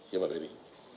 ya pak benny